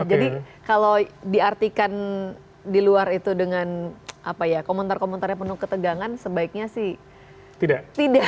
jadi kalau diartikan di luar itu dengan komentar komentarnya penuh ketegangan sebaiknya sih tidak